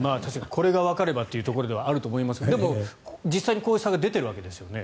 これがわかればというところではあると思いますがでも実際にこういう差が出ているわけですよね。